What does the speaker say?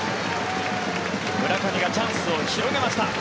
村上がチャンスを広げました。